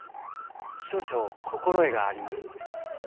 少々心得がありますので。